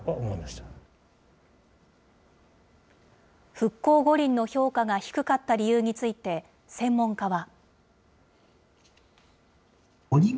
復興五輪の評価が低かった理由について、専門家は。